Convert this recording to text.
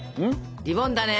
リボンだね。